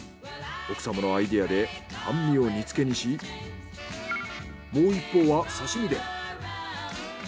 奥様のアイデアで半身を煮付けにしもう一方は刺身で。